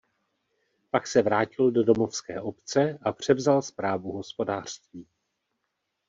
Pak se vrátil do domovské obce a převzal správu hospodářství.